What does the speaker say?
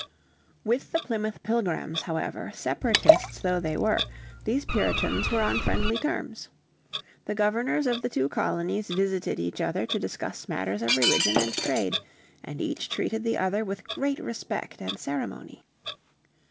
With the Plymouth Pilgrims, however, Separatists though they were, these Puritans were on friendly terms. The Governors of the two colonies visited each other to discuss matters of religion and trade, and each treated the other with great respect and ceremony.